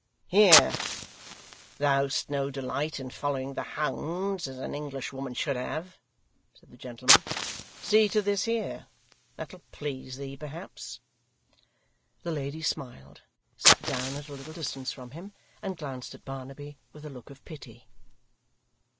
'Here! Thou'st no delight in following the hounds as an Englishwoman should have,' said the gentleman. 'See to this here. That'll please thee perhaps.' The lady smiled, sat down at a little distance from him, and glanced at Barnaby with a look of pity.